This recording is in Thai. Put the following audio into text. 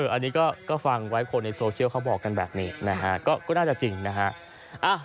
อันนี้ก็ฟังไว้คนในโซเชียลเขาบอกกันแบบนี้นะฮะก็น่าจะจริงนะฮะ